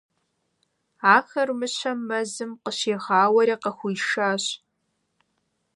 Ахэр мыщэм мэзым къыщигъауэри къыхуишащ.